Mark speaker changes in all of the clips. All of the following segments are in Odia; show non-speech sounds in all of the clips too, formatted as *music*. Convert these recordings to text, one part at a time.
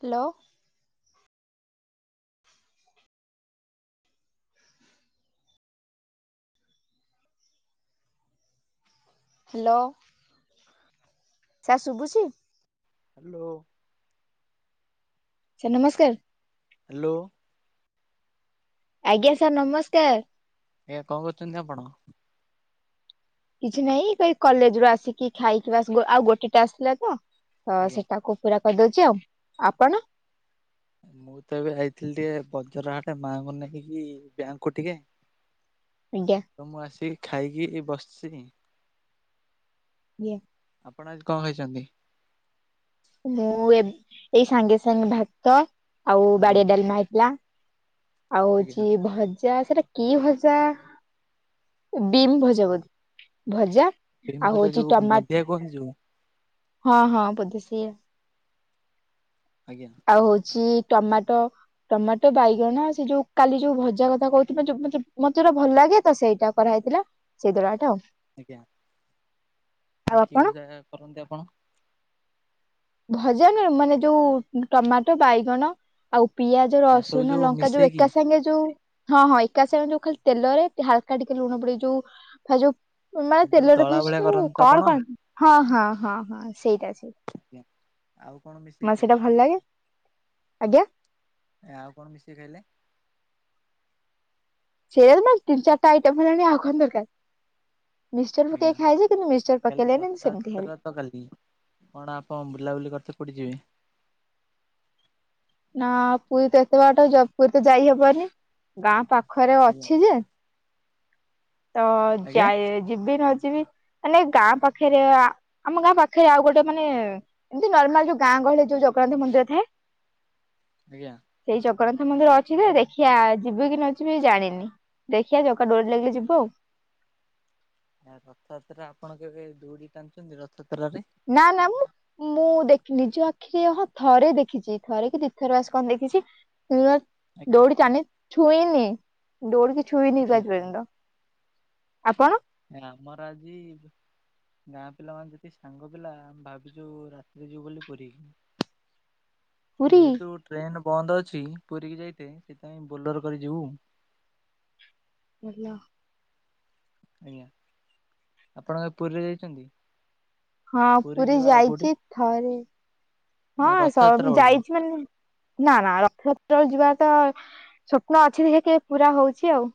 Speaker 1: ହ୍ୟାଲୋ। ହ୍ୟାଲୋ। ସାର ଶୁଭୁଛି?
Speaker 2: ହ୍ୟାଲୋ।
Speaker 1: ସାର୍ ନମସ୍କାର।
Speaker 2: ହ୍ୟାଲୋ।
Speaker 1: ଆଜ୍ଞା ସାର୍ ନମସ୍କାର।
Speaker 2: ଏ କଣ କରଛନ୍ତିି ଆପଣ?
Speaker 1: କିଛି ନାଇଁ ସେହି କଲେଜ ରୁ ଆସିକି ଖାଇକି ବାସ୍ ଆଉ ଗୋଟେ ଟାସ୍କ ଥିଲା ତ
Speaker 2: ଆଜ୍ଞା
Speaker 1: ସେଟାକୁ ପୁରା କରିଦଉଛି ଆଉ, ଆପଣ?
Speaker 2: ମୁଁ ତ ଏବେ ଯାଇଥିଲି ଟିକେ ବଜାର ଆଡେ ମାଙ୍କୁ ନେଇକି ବ୍ୟାଙ୍କ କୁ ଟିକେ।
Speaker 1: ଆଜ୍ଞା।
Speaker 2: ତ ମୁଁ ଆସିକି, ଖାଇକି ବସ୍‌ଚି।
Speaker 1: ଏ
Speaker 2: ଆପଣ ଆଜି କ'ଣ ଖାଇଚନ୍ତି?
Speaker 1: ମୁଁ ଏଇ ସାଙ୍ଗେ ସାଙ୍ଗେ ଭାତ ଆଉ
Speaker 2: ଆଜ୍ଞା
Speaker 1: ବାଡ଼ିଆ ଡ଼ାଲ୍ମା ହେଇଥିଲା। ଆଉ ହଉଚି
Speaker 2: ଆଜ୍ଞା
Speaker 1: ଭଜା। ସେଟା କି ଭଜା, ବିମ୍ ଭଜା, ବଧେ ଭଜା।
Speaker 2: ବିମ୍
Speaker 1: ଆଉ
Speaker 2: ଭଜା
Speaker 1: ହଉଛି
Speaker 2: ଯଉ,
Speaker 1: ଟମାଟ
Speaker 2: ନଦିଆ କୁହନ୍ତି ଯଉ।
Speaker 1: ହଁ ହଁ, ବଧେ ସେୟା।
Speaker 2: ଆଜ୍ଞା।
Speaker 1: ଆଉ ହଉଚି ଟମାଟୋ, ଟମାଟୋ, ବାଇଗଣ ସେ ଯଉ କାଲି ଯଉ ଭଜା କଥା କହୁଥିବ-----ମତେ---ଭଲ୍ ଲାଗେ ତ ସେଇଟା କରା ହେଇଥିଲା, ସେଇ ଦଳଟା ଆଉ।
Speaker 2: ଆଜ୍ଞା, ଆ
Speaker 1: ଆଉ
Speaker 2: କିଏ
Speaker 1: ଆପଣ
Speaker 2: ଭଜା କରନ୍ତି ଆପଣ?
Speaker 1: ଭଜା ନୁହେଁ, ମାନେ ଯଉ ଟମାଟୋ, ବାଇଗଣ। ଆଉ ପିଆଜ,
Speaker 2: ଏସବୁ
Speaker 1: ରସୁଣ,
Speaker 2: ଯୋଉ
Speaker 1: ଲଙ୍କା ଯଉ
Speaker 2: ମିଶେଇକି
Speaker 1: ଏକା ସାଙ୍ଗେ ଯଉ। ହଁ ହଁ, ଏକା ସାଙ୍ଗେ ଯଉ ଖାଲି ତେଲରେ ହାଲ୍କା ଟିକେ ଲୁଣ ପଡ଼ିକି ଯଉ। ଯଉ ମାନେ
Speaker 2: ଯୋଉ
Speaker 1: ତେଲରେ
Speaker 2: ଦଳା ଭଳିଆ
Speaker 1: ଫାସ୍‌
Speaker 2: କରନ୍ତି ତ ଆପଣ?
Speaker 1: କ'ଣ କ'ଣ? ହଁ ହଁ ହଁ ହଁ ସେଇଟା।
Speaker 2: *inaudible* ଆଉ କ'ଣ ମିଶେଇକି
Speaker 1: ମ ସେଇଟା
Speaker 2: ଖାଇଲେ?
Speaker 1: ଭଲ୍ ଲାଗେ, ଆଜ୍ଞା।
Speaker 2: ଆଉ କ'ଣ ମିଶେଇ ଖାଇଲେ?
Speaker 1: ମାନ୍‌ ତିିନ୍‌ ଚାର୍ଟା ଆଇଟମ୍ ହେଲାଣି, ଆଉ କ'ଣ ଦର୍କାର୍। ମିଶ୍ଚର୍
Speaker 2: ଆଜ୍ଞା
Speaker 1: ପକେଇ ଖାଏଯେ, କିନ୍ତୁ ମିଶ୍ଚର୍ ପକେଇଲିନି ସେମ୍ତି ଖାଇଲି।
Speaker 2: ଗତ କାଲି, କ'ଣ ଆପ ବୁଲାବୁଲି କରିତେ ଡ଼େ ଯିବେ?
Speaker 1: ନା ପୁରୀ ତ ଏତେ ବାଟ, ପୁରୀ ତ ଯାଇ ହବନି ଗାଁ ପାଖରେ
Speaker 2: ଆଜ୍ଞା
Speaker 1: ଅଛି ଯେ। *inaudible*
Speaker 2: ଆଜ୍ଞା
Speaker 1: ଯିବି ନ ଯିବି, ମାନେ ଗାଁ ପାଖେରେ ଆମ ଗାଁ ପାଖରେ ଆଉ ଗୋଟେ ମାନେ ଏମ୍ତି ନର୍ମାଲ୍ ଯଉ, ଗାଁ ଗହଳିରେ ଯଉ ଜଗନ୍ନାଥ୍ ମନ୍ଦିର ଥାଏ।
Speaker 2: ଆଜ୍ଞା।
Speaker 1: ସେଇ ଜଗନ୍ନାଥ ମନ୍ଦିର ଅଛି ଯେ ଦେଖିଆ, ଯିବି କି ନ ଯିବି ଜାଣିନି। ଦେଖିଆ ଜଗା ଡ଼ୋରି ଲାଗିଲେ ଯି ହଁ
Speaker 2: ରଥଯାତ୍ରା ଆପଣ କେବେ ଦୌଡ଼ି ଟାଣ୍ ଚନ୍ତି ରଥ--ତ୍ରା ରେ?
Speaker 1: *inaudible* ମୁଁ ଦେ ନିଜ ଆଖିରେ ହଁ ଥରେ ଦେଖିଚି, ଥରେ କି ଦି ଥର ବାସ୍‌ ଙ୍କ ଦେଖିଚି? *inaudible* ଆପଣ।
Speaker 2: ଆମର୍ ଆଜି ଗାଁ ପିଲାମାନେ ଯେତିକି ସାଙ୍ଗ ପିଲା, ଭାବିଚୁ ରାତିରେ ଯିବୁ ବୋଲି ପୁରୀ।
Speaker 1: ପୁରୀ
Speaker 2: ଯେହେତୁ ଟ୍ରେନେ ବନ୍ଦ ଅଛି, ପୁରୀ କି ଯାଇତେ ସେଥା--ଇଁ ବୋଲାର କରି ଯିବୁ।
Speaker 1: *inaudible*
Speaker 2: ଆଜ୍ଞା, ଆପଣ ପୁ--ରେ ଯାଇଚନ୍ତି?
Speaker 1: ହଁ, ପୁରୀ ଯାଇଚି ଥରେ।
Speaker 2: ରଥଯାତ୍ରା ବେଳକୁ?
Speaker 1: ହଁ---ଯାଇଚି ମାନେ ନା ନା ରଥଯାତ୍ରା ଯିବାଟା ସ୍ୱପ୍ନ ଅଛି, ଦେଖିଆ କେବେ ପୁରା ହଉଚି ଆଉ।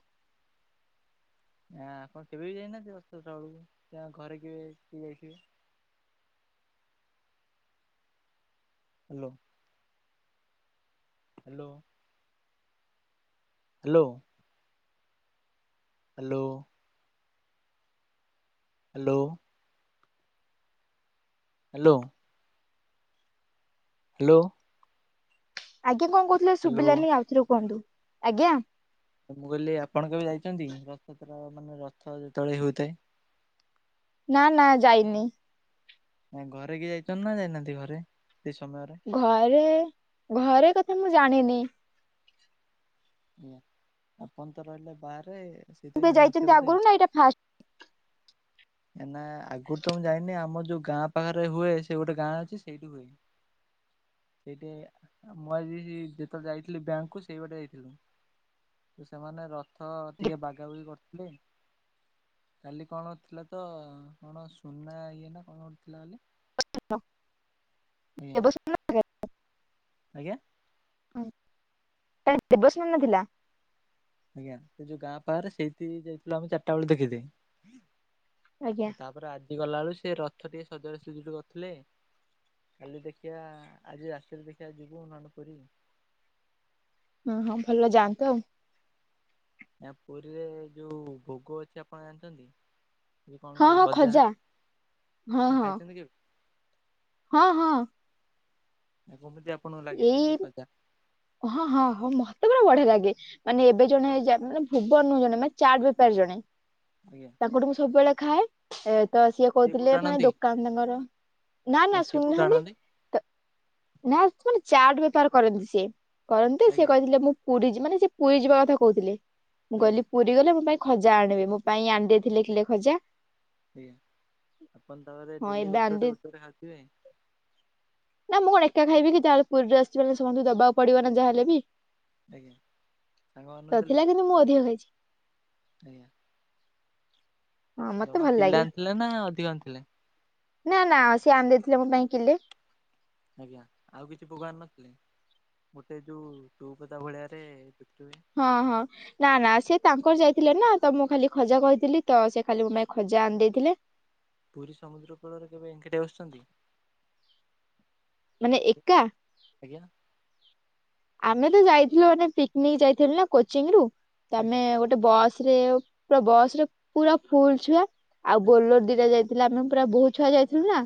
Speaker 2: *inaudible* Hello. Hello. *inaudible* Hello. *inaudible* Hello. Hello.
Speaker 1: ଆଜ୍ଞା କଣ କହୁଥିଲେ
Speaker 2: ହ୍ୟାଲୋ।
Speaker 1: ଶୁଭିଲାାନି ଆଉଥରେ କୁହନ୍ତୁ ଆଜ୍ଞା।
Speaker 2: ତ ମୁଁ କହିଲି ଆପଣ କେବେ ଯାଇଛନ୍ତିକି ରଥ ଯାତ୍ର ମାନେ ରଥ ଯେତେବେଳେ ହେଉଥାଏ?
Speaker 1: ନା ନା ଯାଇନି।
Speaker 2: ଘରେ କି ଯାଇଛନ୍ତି ନା ଯାଇନାହାନ୍ତି ଘରେ ସେ ସମୟରେ।
Speaker 1: ଘରେ ଘରେ କଥା ମୁଁ ଜାଣିନି।
Speaker 2: ଉ ଆପଣ ତ ରହିଲେ ବାହାରେ। ସେଇଥିପାଇଁ
Speaker 1: କେବେ
Speaker 2: ଜାଣିନଥିବେ
Speaker 1: ଯାଇଛନ୍ତି
Speaker 2: ବୋଧେ
Speaker 1: ଆଗରୁ ନା ଏଇଟା ଫାଷ୍ଟ?
Speaker 2: ନା ଆଗରୁ ତ ମୁଁ ଯାଇନି ଆମ ଯୋଉ ଗାଁ ପାଖରେ ହୁଏ ସେ ଗୋଟେ ଗାଁ ଅଛି ସେଇଠି ହୁଏ। ସେଇଟା ମୁଁ ଆଜି ଯେତେବେଳେ ଯାଇଥିଲି ବ୍ୟାଙ୍କକୁୁ ସେଇ ବାଟେ ଯାଇଥିଲୁ। ତ ସେମାନେ ରଥ ଟିକେ
Speaker 1: ଫାଷ୍ଟ
Speaker 2: ବାଗାବାଗି କରିଥିଲେ। କାଲି କଣ ଥିଲା ତ କଣ ସୁନା ଇଏ ନା କଣ ଗୋଟେ ଥିଲା କାଲି।
Speaker 1: *unintelligible*
Speaker 2: ଆଜ୍ଞା।
Speaker 1: ହଁ ଏ ଦେବସ୍ନାନ ଥିଲା।
Speaker 2: ଆଜ୍ଞା ସେ ଯୋଉ ଗାଁ ପାହାରେ ସେଇଠି ଯାଇଥିଲୁ ଆମେ ଚାରିଟା ବେଳେ ଦେଖିତେ।
Speaker 1: ଆଜ୍ଞା
Speaker 2: ତାପରେ ଆଜି ଗଲାବେଳୁ ସେ ରଥ ଟିକେ ସଜାଡ଼ା ସଯୁଡ଼ି କରୁଥିଲେ। କାଲି ଦେଖିବା ଆଜି ରାତିରେ ଦେଖିବା ଯିବୁ ନହନେ ପୁରୀ।
Speaker 1: ଓଁ ହଁ ଭଲ ଯାଆନ୍ତୁ ଆଉ।
Speaker 2: ଆଜ୍ଞା ପୁରୀରେ ଯୋଉ ଭୋଗ ଅଛି ଆପଣ ଜାଣିଛନ୍ତି? ଯ କଣ
Speaker 1: ହଁ
Speaker 2: ଯଉ
Speaker 1: ହଁ
Speaker 2: ଗଜା
Speaker 1: ଖଜା ହଁ ହଁ
Speaker 2: ଖାଇଛନ୍ତି କେବେ?
Speaker 1: ହଁ ହଁ।
Speaker 2: ଆ କମିତି ଆପଣଙ୍କୁ ଲାଗେ ସେ
Speaker 1: ଏଇ
Speaker 2: ଯୋଉ ଖଜା।
Speaker 1: ହଁ ହଁ ହ ମତେତ ବଢିଆ ଲାଗେ। ମାନେ ଏବେ ଜଣେ ଯାନେ ଭୁବନ ରୁ ଜଣେ ମାନେ ଚାଟ ବେପାରୀ ଜଣେ
Speaker 2: ଆଜ୍ଞା।
Speaker 1: ତାଙ୍କଠୁ ମୁଁ ସବୁବେଳେ ଖାଏ ତ ସିଏ
Speaker 2: ସେ କୋଉଠୁ
Speaker 1: କହୁଥିଲେ ମାନେ
Speaker 2: ଆଣନ୍ତି?
Speaker 1: ଦୋକାନ ତାଙ୍କର ନା ନା
Speaker 2: ସେ କୋଉଠୁ
Speaker 1: ଶୁଣିନାହାନ୍ତି
Speaker 2: ଆଣନ୍ତି?
Speaker 1: ତ ନା ସେ ମାନେ ଚାଟ ବେପାର କରନ୍ତି ସେ କରନ୍ତି ସେ
Speaker 2: ଆଜ୍ଞା
Speaker 1: କହିଥିଲେ ମୁଁ ପୁରୀ ଯିବ ମାନେ ସେ ପୁରୀ ଯିବା କଥା କହୁଥିଲେ ମୁଁ
Speaker 2: ଆଜ୍ଞା
Speaker 1: କହିଲି ପୁରୀ ଗଲେ ମୋ ପାଇଁ ଖଜା ଆଣିବେ ମୋ ପାଇଁ ଆଣି ଦେଇ ଥିଲେ କିଲେ ଖଜା।
Speaker 2: ଆଜ୍ଞା, ଆପଣ ତାପରେ
Speaker 1: ହଁ
Speaker 2: ଡେଲି
Speaker 1: ଏବେ
Speaker 2: ଗୋଟେ
Speaker 1: ଆଣିଦେଇ
Speaker 2: ଗୋଟେ ଖାଉଥିବେ?
Speaker 1: ନା ମୁଁ କଣ ଏକା ଖାଇବି କି ଯାହାହେଲେ ପୁରୀ ରୁ ଆସିଚି ମାନେ ସମସ୍ତଙ୍କୁ ଦବାକୁ ପଡିବ ନା ଯାହା ହେଲେ ବି।
Speaker 2: ଆଜ୍ଞା। ସାଙ୍ଗ ମାନଙ୍କୁ ଦେଲେ?
Speaker 1: ନଥିଲା କିନ୍ତୁ ମୁଁ ଅଧିକ ଖାଇଛି।
Speaker 2: ଆଜ୍ଞା।
Speaker 1: ହଁ ମତେ
Speaker 2: ଜମା
Speaker 1: ଭଲ
Speaker 2: କିଲେ
Speaker 1: ଲାଗେ
Speaker 2: ଆଣିଥିଲେ ନା ଅଧିକ ଆଣିଥିଲେ?
Speaker 1: ନା ନା ସିଏ ଆଣିଦେଇଥିଲେ ମୋ ପାଇଁ କିଲେ।
Speaker 2: ଆଜ୍ଞା ଆଉ କିଛି ଭୋଗ ଆଣି ନଥିଲେ? ଗୋଟେ ଯୋଉ ଚୌପଦା ଭଳିଆରେ ଗୁପଚୁପ ହୁଏ।
Speaker 1: ହଁ ହଁ। ନା ନା ସେ ତାଙ୍କର ଯାଇଥିଲେ ନା ତ ମୁଁ ଖାଲି ଖଜା କହିଥିଲି ତ ସେ ଖାଲି ମୋ ପାଇଁ ଖଜା ଆଣିଦେଇଥିଲେ।
Speaker 2: ପୁରୀ ସମୁଦ୍ର କୂଳରେ କେବେ ଏଙ୍କାଟିଆ ବସିଛନ୍ତି?
Speaker 1: ମାନେ ଏକା।
Speaker 2: ଆଜ୍ଞା।
Speaker 1: ଆମେ ତ ଯାଇଥିଲୁ ମାନେ ପିକନିକ ଯାଇଥିଲୁ ନା କୋଚିଂ ରୁ
Speaker 2: ଆଜ୍ଞା
Speaker 1: ତମେ ଓ ଗୋଟେ ବସ ରେ ପୁରା ବସ ରେ ପୁରା ଫୁଲ ଛୁଆ ଆଉ
Speaker 2: ଆଜ୍ଞା
Speaker 1: ବୋଲୋର ଦିଟା ଯାଇ ଥିଲା ଆମେ ପୁରା ବୋହୁତ ଛୁଆ ଯାଇଥିଲୁ ନା।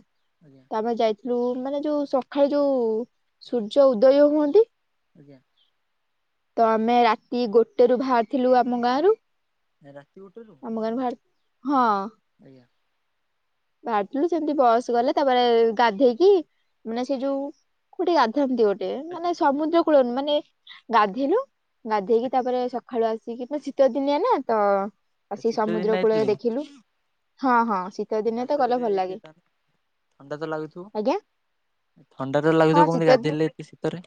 Speaker 2: ଆଜ୍ଞା।
Speaker 1: ତାଆମେ ଯାଇଥିଲୁ ମାନେ ଯୋଉ ସକାଳେ ଯୋଉ ସୂର୍ଯ୍ୟ ଉଦୟ ହୁଅନ୍ତି।
Speaker 2: ଆଜ୍ଞା।
Speaker 1: ତ ଆମେ ରାତି ଗୋଟେରୁ ବାହାରିଥିଲୁ ଆମ ଗାଁରୁ
Speaker 2: ରାତି ଗୋଟେରୁ?
Speaker 1: ଆମ ଗାଁରୁ ଭାରି ହଁ।
Speaker 2: ଆଜ୍ଞା।
Speaker 1: ବାହାରିଥିଲୁ ସେମିତି ବସ୍ ଗଲେ ତାପରେ ଗାଧେଇକି ମାନେ ସେ ଯୋଉ କୋଉଠି ଗାଧାନ୍ତି ଗୋଟେ ମାନେ
Speaker 2: ଆଜ୍ଞା।
Speaker 1: ସମୁଦ୍ର କୂଳନୁହ ମାନେ ଗାଧେଇଲୁ ଗାଧେଇକି ତାପରେ ସକା ସଖାଳୁ ଆସିକି ପୁରା ଶୀତ ଦିନିଆନା ତ
Speaker 2: ଆଜ୍ଞା।
Speaker 1: ଆସିକି
Speaker 2: ଶୀତ ଦିନ
Speaker 1: ସମୁଦ୍ର କୂଳରେ
Speaker 2: ଆଇଥିଲେ
Speaker 1: ଦେଖିଲୁ ହଁ ହଁ ଶି
Speaker 2: *unintelligible* ଥଣ୍ଡାତ ଲାଗୁଥିବ?
Speaker 1: ଆଜ୍ଞା
Speaker 2: ଥଣ୍ଡାତ
Speaker 1: ହଁ
Speaker 2: ଲାଗୁଥିବ କେମିତି
Speaker 1: ଶୀତ ଦିନ
Speaker 2: ଗାଧେଇଲେ ଏତେ ଶୀତରେ?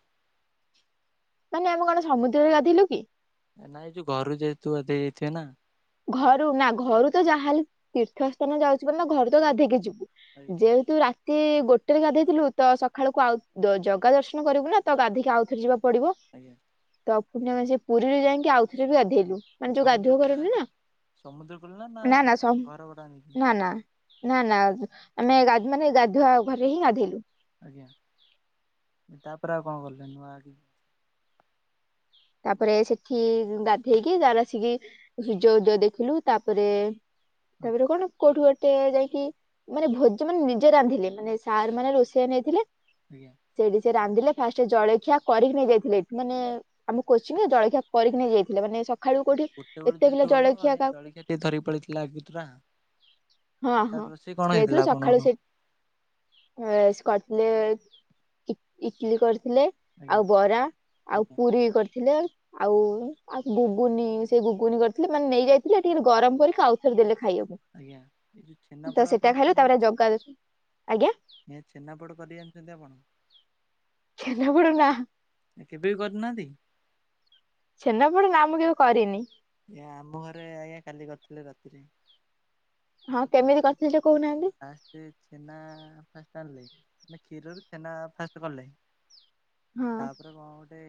Speaker 1: ମାନେ ଆମେ କଣ ସମୁଦ୍ରରେ ଗାଧେଇଲୁକି।
Speaker 2: ନାଇଁ ଯୋଉ ଘରୁ ଯେହେତୁ ଗାଧେଇକି ଯାଇଥିବେନା?
Speaker 1: ଘରୁନା ଘରୁତ ଯାହାହେଲେ ତୀର୍ଥ ସ୍ଥାନ ଯାଉଚୁ ମାନ ଘରୁତ ଗାଧେଇକି ଯିବୁ
Speaker 2: ଆଜ୍ଞା
Speaker 1: ଯୋଉ ତୁ ରାତି ଗୋଟେରେ ଗାଧେଇଥିଲୁତ ସଖିଳକୁ ଆଉ ଜଗା ଦର୍ଶନ କରିବୁନା ତଗାଧୋଇକି ଆଉଥରେ ଯିବାକୁ ପଡ଼ିବ।
Speaker 2: ଆଜ୍ଞା।
Speaker 1: ତପୁଣି ଆମେସେ ପୁରୀରୁ ଯାଇକି ଆଉଥରେବି ଗାଧେଇଲୁ ମାନେ ଯୋଉ
Speaker 2: ସମୁଦ୍ର
Speaker 1: ଗାଧୁଆ
Speaker 2: କୂଳ ନା
Speaker 1: ଘରନୁହେନା।
Speaker 2: ସମୁଦ୍ର କୂଳରେନାଁ ଘରଭଡ଼ା ନେଇକି?
Speaker 1: ନା ନା ନା ନା ଆମେ ଗା ମାନେ ଗାଧୁଆ ଘରେହିଁ ଗାଧେଇଲୁ।
Speaker 2: ଆଜ୍ଞା ତାପରେ ଆଉ କଣ କଲେ ନୂଆ ଆକି
Speaker 1: ତାପରେ ସେଠି ଗାଧେଇକି ତାପରେ ଆସିକି ସୂର୍ଯ୍ୟ ଉଦୟ ଦେଖିଲୁ ତାପରେ ତାପରେ କଣ କୋଉଠୁ ଗୋ ଟେ ଯାଇକି ମାନେ ଭୋଜ ମାନେ ନିଜେ ରାନ୍ଧିଲେ ମାନେ ସାର୍ ମାନେ ରୋଷେଇଆ ନେଇଥିଲେ
Speaker 2: ଆଜ୍ଞା।
Speaker 1: ସେଇଠିସେ ରାନ୍ଧିଲେ ଫାଷ୍ଟ ଜଳଖିଆ କରିକି ନେଇ ଯାଇଥିଲେ ଏଠି ମାନେ ଆମ କୋଚିଂରେ ଜଳଖିଆ କରିକି ନେଇ ଯାଇଥିଲେ ମାନେ ସକାଳୁ କୋଉଠି
Speaker 2: ଗୋଟେ ବେଳୁ
Speaker 1: ଏତେ
Speaker 2: ଯେହେତୁ
Speaker 1: ପିଲା
Speaker 2: ଗଲ
Speaker 1: ଜଳଖିଆ କାହାକୁ
Speaker 2: ଜଳଖିଆ ଟିକେ ଧରିକି ପଳେଇଥିଲା ଆଗୁତୁରା
Speaker 1: ହଁ
Speaker 2: ତା
Speaker 1: ହଁ
Speaker 2: ରଷେଇ କଣ ହେଇଥିଲା ଆପଣଙ୍କର?
Speaker 1: ଅଁ କରିଥିଲେ ଇଟି ଇଟଲିି କରିଥିଲେ
Speaker 2: ଆଜ୍ଞା
Speaker 1: ଆଉ ବରା ଆଉ
Speaker 2: ଆଜ୍ଞା।
Speaker 1: ପୁରୀ କରିଥିଲେ ଆଉ ଆଉ ଗୁଗୁନି ସେ ବୁଗୁନି କରିଥିଲେ ମାନେ ନେଇଯାଇଥିଲେ ହେଟି ଗରମ କରିକି ଆଉଥରେ ଦେଲେ ଖାଇବାକୁ।
Speaker 2: ଆଜ୍ଞା ଏଇ
Speaker 1: ତ
Speaker 2: ଛେନାପୋଡ ଆପଣ
Speaker 1: ସେଟା ଖାଇଲୁ ତାପରେ ଜଗା ଦର୍ଶ ଆଜ୍ଞା।
Speaker 2: ନିଆ ଚିନାପଡ଼ କରିଜାଣିଚନ୍ତି ଆପଣ?
Speaker 1: ଛେନାପୋଡ଼ ନାଁ।
Speaker 2: କେବେବି କରିନାହାନ୍ତି?
Speaker 1: ଛେନାପଡ଼େ ନାମୁଁ କେବେ କରିନି।
Speaker 2: ଆଜ୍ଞା ଆମ ଘରେ ଆଜ୍ଞା କାଲି କରିଥିଲେ ରାତିରେ।
Speaker 1: ହଁ କେମିତି କରିଥିଲି ଟିକେ କହୁନାହାନ୍ତି।
Speaker 2: ଫାଷ୍ଟେ ଛେନା ଫାଷ୍ଟେ ଆଣିଲେ ମାନେ କ୍ଷୀରରୁ ଛେନା ଫାଷ୍ଟେ କଲେ
Speaker 1: ହଁ
Speaker 2: ତାପରେ କଣ ଗୋଟେ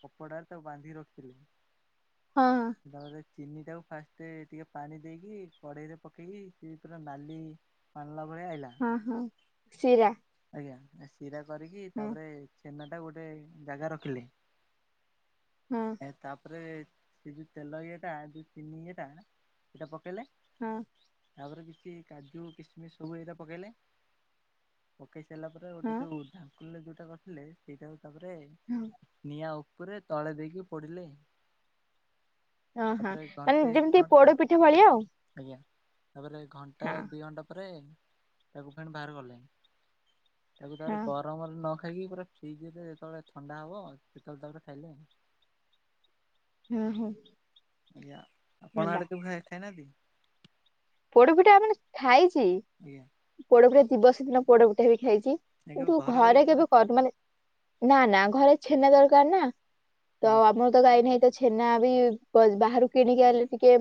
Speaker 2: କପଡ଼ାରେ ତାକୁ ବାନ୍ଧିକି ରଖିଥିଲେ
Speaker 1: ହଁ।
Speaker 2: ତାପରେ ଚିନିଟାକୁ ଫାଷ୍ଟେ ଟିକେ ପାଣି ଦେଇକି କଡ଼େଇରେ ପକେଇକି ସେପୁରା ନାଲି ପାଣିରା ଭଳିଆ ଆଇଲା
Speaker 1: ହଁ ହଁ ଶିରା।
Speaker 2: ଆଜ୍ଞା ଶିରା କରିକି
Speaker 1: ହଁ
Speaker 2: ତାପରେ ଛେନାଟା ଗୋଟେ ଜାଗାରେ ରଖିଲେ
Speaker 1: ହଁ।
Speaker 2: ଏ ତାପରେ ସେଯେଉଁ ତେଲ ଇଏଟା ଯେଉ ଚିନି ଇଏଟା ସେଇଟା ପକେଇଲେ
Speaker 1: ହଁ।
Speaker 2: ତାପରେ କିଛି କାଜୁ କିସମିସ ସବୁ ଏଇଟା ପକେଇଲେ ପକେଇ ସାରିଲା ପରେ ଗୋଟେ
Speaker 1: ହଁ
Speaker 2: ଯୋଉ ଢାକୁଲରେ ଯୋଉଟା କଥିଲେ ସେଇଟା ତାପରେ
Speaker 1: ହୁଁ
Speaker 2: ନିଆଁ ଉପରେ ତଳେ ଦେଇକି ପୋଡିଲେ
Speaker 1: ଓହଁ
Speaker 2: ତାପରେ
Speaker 1: ମାନେ
Speaker 2: ଘଣ୍ଟେ
Speaker 1: ଯେମିତି
Speaker 2: ଥିଲା
Speaker 1: ପୋଡ
Speaker 2: ପରେ
Speaker 1: ପିଠା ଭଳିଆ ଆଉ।
Speaker 2: ଆଜ୍ଞା ତାପରେ ଘଣ୍ଟା
Speaker 1: ହଁ
Speaker 2: ଦି ଘଣ୍ଟା ତାପରେ ତାକୁ ଫେଣି ବାହାର ଗଲେ ତାକୁ ତା
Speaker 1: ହଁ
Speaker 2: ଗରମରେ ନ ଖାଇକି ପୁରା ଫ୍ରିଜ୍ ହେଲେ ଯେତେବେଳେ ଥଣ୍ଡା ହବ ସେତେବେଳେ ତାପରେ ଖାଇଲେ।
Speaker 1: ହୁଁ ହୁଁ।
Speaker 2: ଆଜ୍ଞା ଆପଣ ଆଡେ କେବେ ଖାଇବା ଖାଇନାହାନ୍ତି।
Speaker 1: ପୋଡପିଟା ଆମାନେ ଖାଇଛି।
Speaker 2: ଆଜ୍ଞା।
Speaker 1: ପୋଡପିଠା ଦିବସ ଦିନ ପୋଡପିଠା ବି ଖାଇଛି
Speaker 2: ଆଜ୍ଞା କେବେ
Speaker 1: କିନ୍ତୁ
Speaker 2: କରିକି
Speaker 1: ଘରେ କେବେ
Speaker 2: ଖାଇନାହାନ୍ତି
Speaker 1: କରି ମାନେ ନା ନା ଘରେ ଛେନା ଦରକାର ନା ତ
Speaker 2: ଆଜ୍ଞା
Speaker 1: ଆମ ତ ଗାାଇନାହିଁ ତ ଛେନା ବି ବାହାରୁ କିଣିକି ଆଣିଲେ ଟିକେ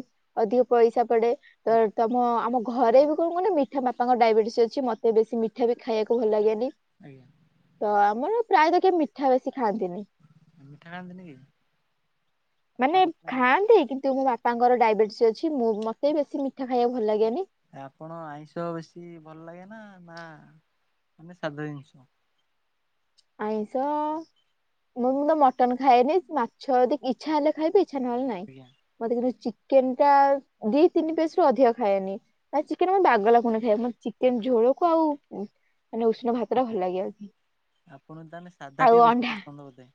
Speaker 1: ଅଧିକ ପଇସା ପଡେ। ତ ତମ ଆମ ଘରେ କଣ କ ନା ମିଠା ବାପାଙ୍କ ଡାଇବେଟିସ୍ ଅଛି ମତେ ବେଶୀ ମିଠା ବି ଖାଇବାକୁ ଭଲ ଲାଗେନି।
Speaker 2: ଆଜ୍ଞା।
Speaker 1: ତ ଆମର ପ୍ରାୟତଃ କେ ମିଠା ବେଶୀ ଖାଆନ୍ତିନି।
Speaker 2: ମିଠା ଖାନ୍ତିନି କେହି।
Speaker 1: ମାନେ ଖାଆନ୍ତି କିନ୍ତୁ ମୋ ବାପାଙ୍କର ଡାଇବେଟିସ୍ ଅଛି ମୁଁ ମତେ ବି ବେଶୀ ମିଠା ଖାଇବାକୁ ଭଲ ଲାଗେନି।
Speaker 2: ଆପଣ ଆଇଁଷ ବେଶୀ ଭଲ ଲାଗେ ନା ନା ମାନେ ସାଧ ଜିନିଷ।
Speaker 1: ଆଇଁଷ ମୁଁ ମୁଁ ତ ମଟନ ଖାଇଏନି ମାଛ ଯଦି ଇଚ୍ଛା ହେଲେ ଖାଇବି। ଇଛା ନହେଲେ ନାଇଁ
Speaker 2: ଆଜ୍ଞା
Speaker 1: ମତେ କିନ୍ତୁ ଚିକେନ ଟା ଦି ତିନି ପେସ ରୁ ଅଧିକ ଖାଏନି। ନା ଚିକେନ ମୋ ବାଗ ଲାଗୁନି ଖାଇବାକୁ ମ ଚିକେନ ଝୋଳକୁ ଆଉ ମାନେ ଉଷ୍ନା ଭାତ ଟା ଭଲ ଲାଗେ।
Speaker 2: ଆପଣ ତାହେଲେ ସାଧା
Speaker 1: ଆଉ
Speaker 2: ଟେ ବେଶୀ
Speaker 1: ଅଣ୍ଡା
Speaker 2: ପସନ୍ଦ ବୋଧେ।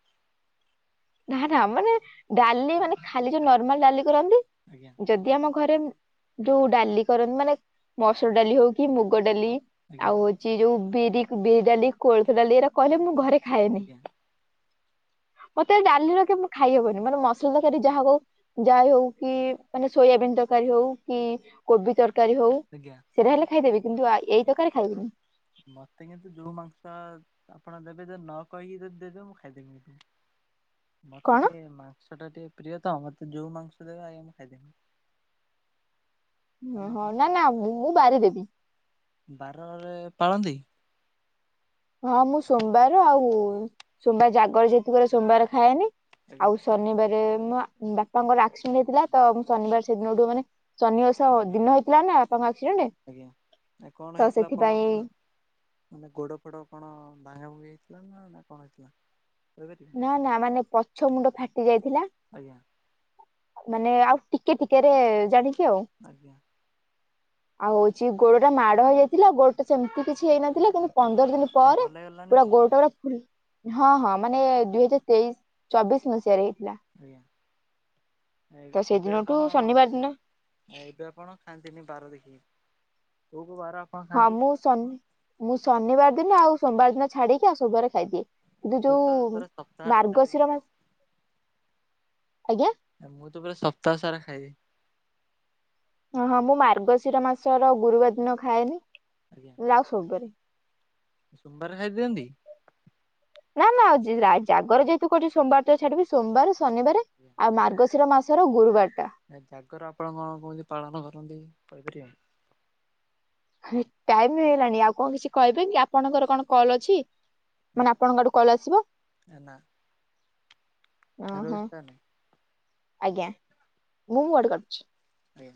Speaker 1: ନା ନା ମାନେ ଡାଲି ମାନେ ଖାଲି ଯୋଉ ନର୍ମାଲ ଡାଲି କରନ୍ତି।
Speaker 2: ଆଜ୍ଞା।
Speaker 1: ଯଦି ଆମ ଘରେ ଯୋଉ ଡାଲି କରନ୍ତି ମାନେ ମସୁର ଡାଲି ହଉ କି ମୁଗ ଡାଲି।
Speaker 2: ଆଜ୍ଞା।
Speaker 1: ଆଉ ହଉଛି ଯୋଉ ବିରି ବିରି ଡାଲି କୋଳଥ ଡାଲି ଏଇରା କହିଲେ ମୁଁ ଘରେ ଖାଏନି।
Speaker 2: ଆଜ୍ଞା
Speaker 1: ମତେ ଡାଲି ର କେ ମୁଁ ଖାଇହବନି ମାନେ ମସଲ ତକାରୀ ଯାହା ହଉ ଯାାଇ ହଉ କି ମାନେ ସୋୟାବିନ୍ ତରକାରୀ ହଉ କି କୋବି ତରକାରୀ ତରକାରୀ ହଉ
Speaker 2: ଆଜ୍ଞା
Speaker 1: ସେଇଟା ହେଲେ ଖାଇଦେବି କିନ୍ତୁ ଏଇ ତରକାରୀ ଖାଇବନି।
Speaker 2: ମତେ କିନ୍ତୁ ଯୋଉ ମାଂସ ଆପଣ ଦେବେ ଯ ନ କହିକି ଯଦି ଦେଇଦବେ ମୁଁ ଖାଇଦେବି। ମତେ
Speaker 1: କଣ
Speaker 2: ଟିକେ ମାଂସ ଟା ଟିକେ ପ୍ରିୟ ତ ମତେ ଯୋଉ ମାଂସ ଦେବେ ଆଜ୍ଞା ମୁଁ ଖାଇଦେବି।
Speaker 1: ଓ
Speaker 2: ମାନେ
Speaker 1: ହଁ ନା ନା ମୁଁ ବାରିଦେବି।
Speaker 2: ବାରରେ ପାଳନ୍ତି।
Speaker 1: ହଁ ମୁଁ ସୋମବାର ଆଉ ସୋମବାର ଜାଗର ଯେତିକ ସୋମବାର ଖାଏନି
Speaker 2: ଆଜ୍ଞା
Speaker 1: ଆଉ ଶନିବାର ମୋ ବାପାଙ୍କର ଆକ୍ସିଡେଣ୍ଟ ହେଇଥିଲା ତ ଶନିବାର ସେଦିନଠୁ ମାନେ ଶନି ଓଷା ଦିନ ହେଇଥିଲା ନା ବାପାଙ୍କ ଆକ୍ସିଡେଣ୍ଟ।
Speaker 2: ଆଜ୍ଞା ଆ କଣ
Speaker 1: ତ
Speaker 2: ହେଇଥିଲା
Speaker 1: ସେଥିପାଇଁ
Speaker 2: ଆପଣଙ୍କ ମାନେ ଗୋଡ ଫଡ କଣ ଭାଙ୍ଗା ଭଙ୍ଗି ହେଇଥିଲା ନା ନା କଣ ହେଇଥିଲା। କହିପାରିବେ
Speaker 1: ନା ନା ମାନେ ପଛ ମୁଣ୍ଡ ଫାଟି ଯାଇଥିଲା।
Speaker 2: ଆଜ୍ଞା
Speaker 1: ମାନେ ଆଉ ଟିକେ ଟିକେରେ ଜାଣିକି ଆଉ।
Speaker 2: ଆଜ୍ଞା।
Speaker 1: ଆଉ ହଉଛି ଗୋଡଟା ମାଡ ହେଇଯାଇଥିଲା ଗୋଡଟା ସେମିତି କିଛି ହେଇନଥିଲା କିନ୍ତୁ ପନ୍ଦର ଦିନ
Speaker 2: ଏ
Speaker 1: ପରେ
Speaker 2: ଭଲ ହେଇଗଲାଣି
Speaker 1: ପୁରା
Speaker 2: ତ?
Speaker 1: ଗୋଡଟା ପା ହଁ ହଁ। ମାନେ ଦୁଇ ହଜାର ତେଇଶ ଚବିଶ ମସିହାରେ ହେଇଥିଲା।
Speaker 2: ଆଜ୍ଞା
Speaker 1: ତ
Speaker 2: ଏ-ଏବେ
Speaker 1: ସେଦିନଠୁ
Speaker 2: ଆପଣ
Speaker 1: ଶନିବାର ଦିନ
Speaker 2: ଏବେ ଆପଣ ଖାଆନ୍ତିନି ବାର ଦେଖିକି କଉ କଉ ବାର ଆ
Speaker 1: ହଁ ମୁଁ ଶନି- ମୁଁ ଶନିବାର୍ ଦିନ ଆଉ ସୋମବାର୍ ଦିନ ଛାଡିକି ଆଉ ସବୁବାରେ ଖାଇଦିଏ।
Speaker 2: ମୁଁ ତ
Speaker 1: ଯଉ
Speaker 2: ପୁରା ସପ୍ତାହଟେ ଛାଡିକି
Speaker 1: ମାର୍ଗଶିର ମାସ -ଆଜ୍ଞା।
Speaker 2: ମୁଁ ତ ପୁରା ସପ୍ତାହ ସାରା ଖାଇବି।
Speaker 1: ଓ -ହଁ -ମୁଁ ମାର୍ଗଶିର ମାସର ଗୁରୁବାର ଦିନ ଖାଏନି।
Speaker 2: ଆଜ୍ଞା।
Speaker 1: ନହେଲେ ଆଉ ସବୁ ବାରେ।
Speaker 2: ସୋମବାରେ ଖାଇ ଦିଅନ୍ତି?
Speaker 1: ନା- ନା ଆଉ ଜେ-ଜାଗର ଯହେତୁ କରୁଚି ସୋମବାର ତ ଛାଡିବି ସୋମବାରେ ଶନିବାରେ
Speaker 2: କି୍ଞ
Speaker 1: ଆଉ ମାର୍ଗଶିର ମାସର ଗୁରୁବାର୍ ଟା।
Speaker 2: ଏ ଜାଗର ଆପଣ କଣ କେମିତି ପାଳନ କରନ୍ତି କହିପାରିବେ?
Speaker 1: *unintelligible* ଟାଇମ୍ ହେଇଗଲାଣି ଆଉ କଣ କିଛି କହିବେ କି ଆପଣଙ୍କର କଣ କଲ୍ ଅଛି? ମାନେ ଆପଣଙ୍କ ଆଡୁ କଲ୍ ଆସିବ?
Speaker 2: ନା
Speaker 1: ଓହୋ
Speaker 2: ରୋଜ୍ ତା ନାଇଁ
Speaker 1: -ଆଜ୍ଞା ମୁଁ ମୋ ଆଡୁ କଲ୍ କରୁଚି।
Speaker 2: ହ୍